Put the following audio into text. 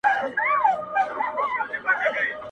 دې دنیا ته دي راغلي بېخي ډېر خلګ مالداره.